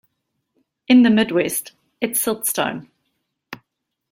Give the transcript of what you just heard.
In the mid west is siltstone.